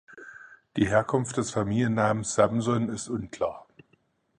Die Herkunft des Familiennamens "Samson" ist unklar.